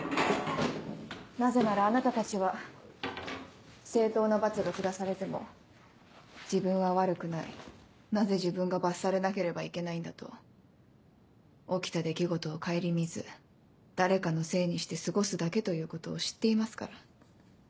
なぜならあなたたちは正当な罰が下されても「自分は悪くない」「なぜ自分が罰されなければいけないんだ」と起きた出来事を省みず誰かのせいにして過ごすだけということを知っていますから。